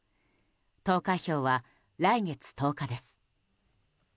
投開票は来月１０日です。